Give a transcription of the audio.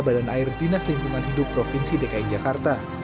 badan air dinas lingkungan hidup provinsi dki jakarta